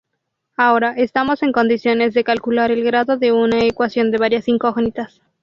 Ahora estamos en condiciones de calcular el grado de una ecuación de varias incógnitas.